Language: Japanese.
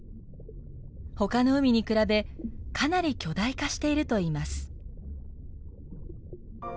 ほかの海に比べかなり巨大化しているといいます。